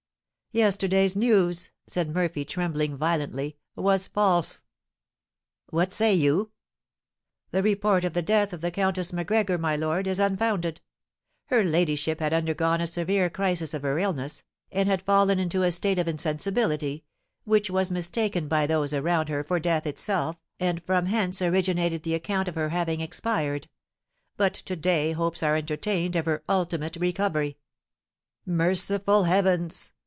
"Yesterday's news," said Murphy, trembling violently, "was false." "What say you?" "The report of the death of the Countess Macgregor, my lord, is unfounded; her ladyship had undergone a severe crisis of her illness, and had fallen into a state of insensibility, which was mistaken by those around her for death itself, and from hence originated the account of her having expired; but to day hopes are entertained of her ultimate recovery." "Merciful heavens!